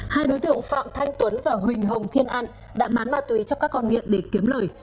hai đối tượng phạm thanh tuấn và huỳnh hồng thiên an đã bán ma túy cho các con nghiện để kiếm lời